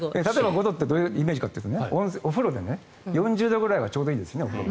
５度ってどういうイメージ化というとお風呂って４０度くらいがちょうどいいですよね。